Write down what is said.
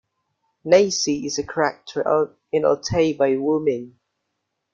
Nasi is a character in Altai by Wu Ming.